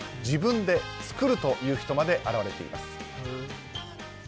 自分で作るという人まで現れています。